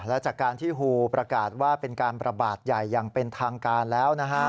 และจากการที่ฮูประกาศว่าเป็นการประบาดใหญ่อย่างเป็นทางการแล้วนะฮะ